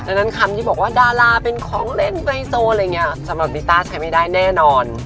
ดังนั้นคำที่บอกว่าดาราเป็นของเล่นไฮโซอะไรอย่างนี้สำหรับบีต้าใช้ไม่ได้แน่นอน